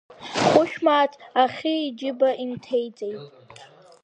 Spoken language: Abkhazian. Хәышә мааҭ ахьы иџьыба инҭеиҵеит.